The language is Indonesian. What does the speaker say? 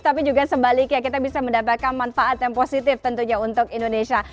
tapi juga sebaliknya kita bisa mendapatkan manfaat yang positif tentunya untuk indonesia